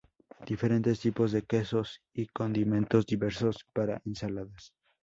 Diferentes tipos de quesos y condimentos diversos para ensaladas.